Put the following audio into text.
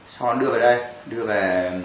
sau đó nó đưa về đây đưa về